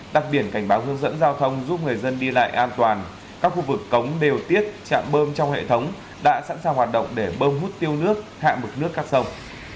đặc biệt cảnh báo hướng dẫn giao thông giúp người dân đi lại an toàn các khu vực cống đều tiết chạm bơm trong hệ thống đã sẵn sàng hoạt động để bơm hút tiêu nước hạ mực nước các sông